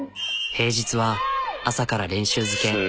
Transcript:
平日は朝から練習漬け。